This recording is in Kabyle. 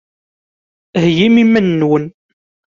Heyyim iman-nwen!